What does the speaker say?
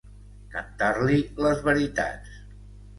Cantar-li les veritats.